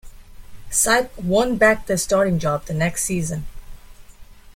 Sipe won back the starting job the next season.